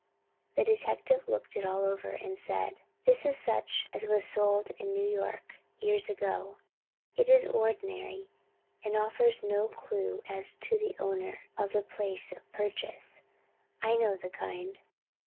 The detective looked it all over and said: "This is such as was sold in New York years ago. It is ordinary, and offers no clue as to the owner or the place of purchase. I know the kind."